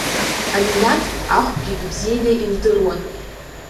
Аминаҭ ахәгьы ибзианы илдыруан.